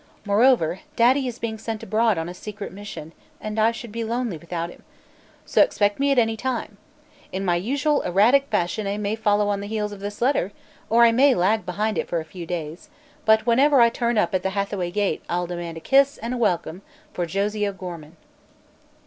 Moreover, Daddy is being sent abroad on a secret mission, and I should be lonely without him. So expect me at any time. In my usual erratic fashion I may follow on the heels of this letter, or I may lag behind it for a few days, but whenever I turn up at the Hathaway gate, I'll demand a kiss and a welcome for "JOSIE O'GORMAN."